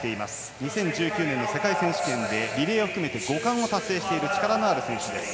２０１９年の世界選手権でリレー含めて５冠を達成していた力のある選手。